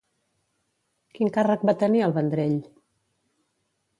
Quin càrrec va tenir al Vendrell?